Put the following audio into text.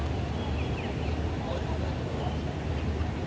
asal sekolah sma negeri dua puluh empat